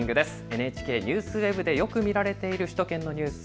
ＮＨＫＮＥＷＳＷＥＢでよく見られているニュース